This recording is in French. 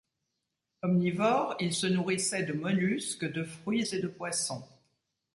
Omnivore, il se nourrissait de mollusques, de fruits et de poissons.